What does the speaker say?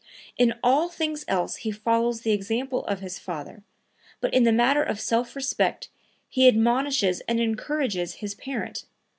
In all things else he follows the example of his father, but in the matter of self respect he admonishes and encourages his parent.